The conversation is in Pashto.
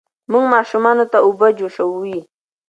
مور ماشومانو ته اوبه جوشوي.